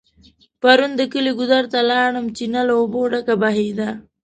پرون د کلي ګودر ته لاړم .چينه له اوبو ډکه بهيده